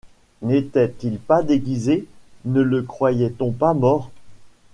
N’était-il pas déguisé? ne le croyait-on pas mort ?